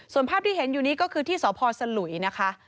ส่วนภาพที่เห็นอยู่นี้ก็คือที่สพสลุยนะคะ